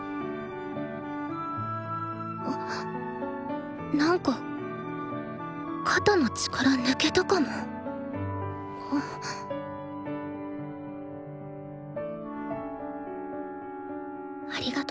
あなんか肩の力抜けたかもありがと。